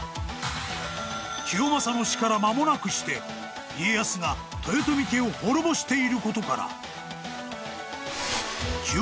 ［清正の死から間もなくして家康が豊臣家を滅ぼしていることから］